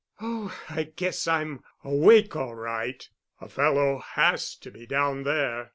"Oh, I guess I'm awake all right. A fellow has to be down there."